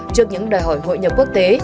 trước những đòi hỏi hội nhập quốc tế